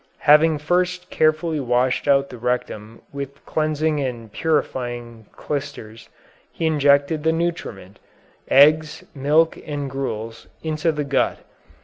Having first carefully washed out the rectum with cleansing and purifying clysters, he injected the nutriment eggs, milk, and gruels into the gut.